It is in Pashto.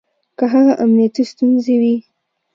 که هغه امنيتي ستونزې وي